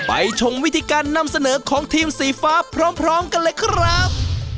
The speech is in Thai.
ชมวิธีการนำเสนอของทีมสีฟ้าพร้อมกันเลยครับ